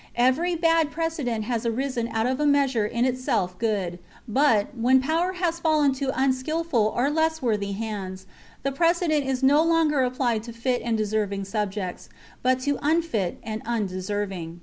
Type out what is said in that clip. Every bad precedent has arisen out of a measure in itself good ; but, when power has fallen to unskilful or less worthy hands, the precedent is no longer applied to fit and deserving subjects, but to unfit and undeserving.